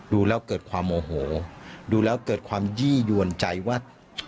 ดูแล้วเกิดความโมโหดูแล้วเกิดความยี่ยวนใจว่า